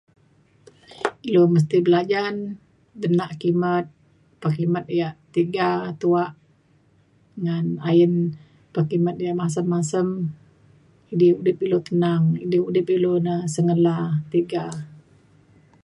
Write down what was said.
ilu mesti belajan denak kimet pekimet yak tiga tuak ngan ayen pekimet yak masem masem di udip ilu tenang di udip ilu na tiga sengela tiga